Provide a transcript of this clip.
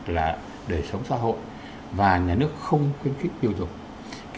là đời sống xã hội và nhà nước không khuyến khích tiêu dùng